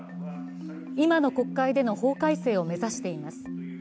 今の国会での法改正を目指しています。